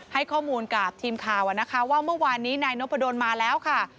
ให้ข้อมูลกับทีมข่าวนะคะว่าเมื่อวานนี้นายนพดลมาแล้วค่ะ